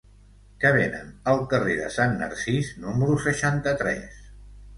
Què venen al carrer de Sant Narcís número seixanta-tres?